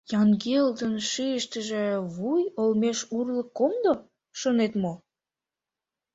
Янгелдын шӱйыштыжӧ вуй олмеш урлык комдо, шонет мо?